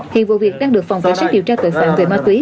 hiện vụ việc đang được phòng cảnh sát điều tra tội phạm về ma túy